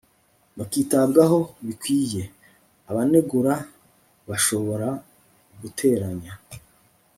bakitabwaho bikwiye, abanegura bashobora guteranya